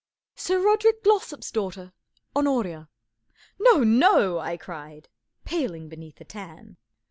"Sir Rode¬ rick Glossop's daughter, Hon oria." "No, no ! ,J I cried, paling beneath the tan.